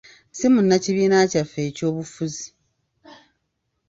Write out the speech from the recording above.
Si munnakibiina kyaffe eky'obufuzi.